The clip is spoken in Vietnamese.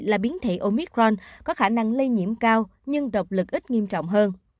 là biến thể omicron có khả năng lây nhiễm cao nhưng độc lực ít nghiêm trọng hơn